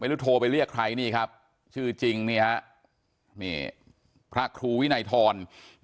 โทรไปเรียกใครนี่ครับชื่อจริงนี่ฮะนี่พระครูวินัยทร